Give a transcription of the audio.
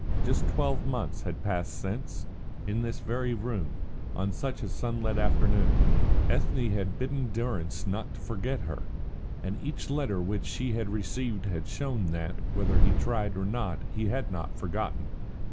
Just twelve months had passed since, in this very room, on just such a sunlit afternoon, Ethne had bidden Durrance try to forget her, and each letter which she had since received had shown that, whether he tried or not, he had not forgotten.